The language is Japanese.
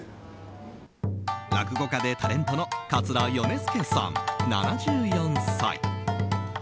落語家でタレントの桂米助さん、７４歳。